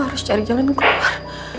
harus cari jalan keluar